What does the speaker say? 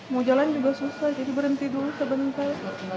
mau jalan juga susah jadi berhenti dulu sebentar